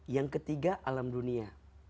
yang ketiga alam dunia